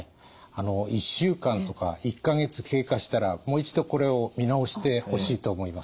１週間とか１か月経過したらもう一度これを見直してほしいと思います。